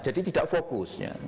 jadi tidak fokusnya